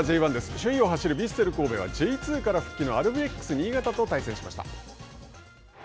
首位を走るヴィッセル神戸はＪ２から復帰のアルビレックス新潟と対戦しました。